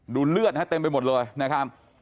ดูเลือดเต็มไปหมดเลยนะครับ